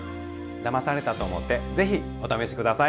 だまされたと思ってぜひお試し下さい。